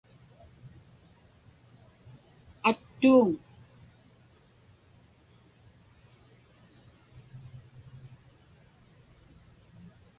Attuuŋ.